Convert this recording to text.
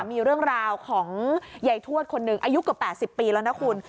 มีเรื่องราวของยายทวดคนหนึ่งอายุเกือบ๘๐ปีแล้วนะคุณ